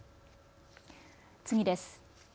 次です。